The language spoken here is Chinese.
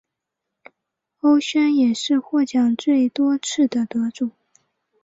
欧萱也是获奖最多次的得主。